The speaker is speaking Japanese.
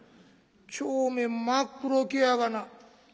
帳面真っ黒けやがな。